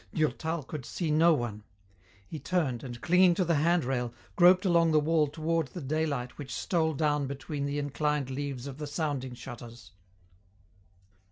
Durtal could see no one. He turned and, clinging to the hand rail, groped along the wall toward the daylight which stole down between the inclined leaves of the sounding shutters.